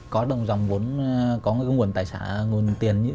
có đồng dòng vốn có cái nguồn tài sản nguồn tiền như